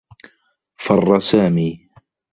فرّ سامي.